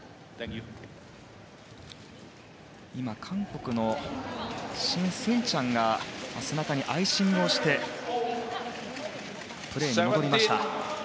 韓国のシン・スンチャンが背中にアイシングをしてからプレーに戻りました。